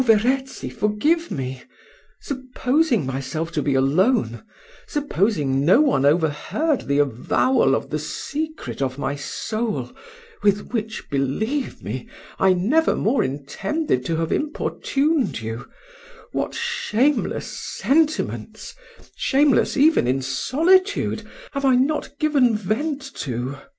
Verezzi, forgive me: supposing myself to be alone supposing no one overheard the avowal of the secret of my soul, with which, believe me, I never more intended to have importuned you, what shameless sentiments shameless even in solitude have I not given vent to.